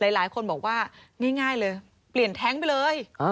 หลายคนบอกว่าง่ายเลยเปลี่ยนแท้งไปเลย